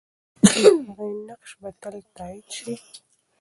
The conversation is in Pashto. د هغې نقش به تل تایید سي.